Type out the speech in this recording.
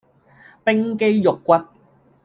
冰肌玉骨